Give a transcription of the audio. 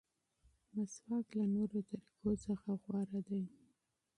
مسواک له نورو طریقو څخه غوره دی.